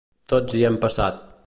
Tots hi hem passat.